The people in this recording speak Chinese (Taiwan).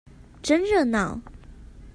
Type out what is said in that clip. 真熱鬧